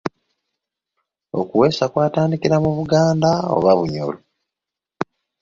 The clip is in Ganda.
Okuweesa kwatandikira mu Buganda oba Bunyoro?